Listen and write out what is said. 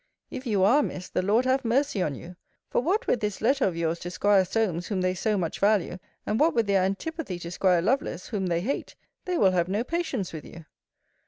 If you are, Miss, the Lord have mercy on you! For what with this letter of yours to 'Squire Solmes, whom they so much value, and what with their antipathy to 'Squire Lovelace, whom they hate, they will have no patience with you.